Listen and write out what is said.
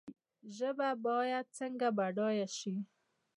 ژبه باید څنګه بډایه شي؟